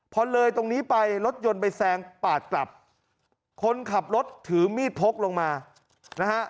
พอเลยตรงนี้ไปรถยนต์ไปแซงปาดกลับคนขับรถถือมีดพกลงมานะฮะ